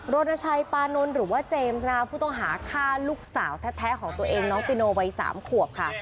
รณชัยปานนท์หรือว่าเจมส์นะคะผู้ต้องหาฆ่าลูกสาวแท้ของตัวเองน้องปิโนวัย๓ขวบค่ะ